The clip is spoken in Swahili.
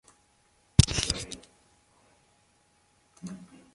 Tafsiri nyingine ya kawaida ni pamoja na balozi.